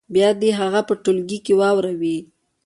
بیا دې هغه په ټولګي کې واوروي.